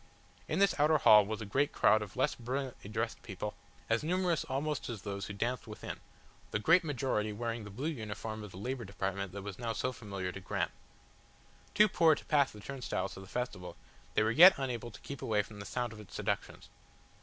In this outer hall was a great crowd of less brilliantly dressed people, as numerous almost as those who danced within, the great majority wearing the blue uniform of the Labour Department that was now so familiar to Graham. Too poor to pass the turnstiles to the festival, they were yet unable to keep away from the sound of its seductions.